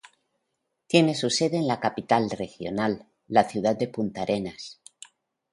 Tiene su sede en la capital regional, la ciudad de Punta Arenas.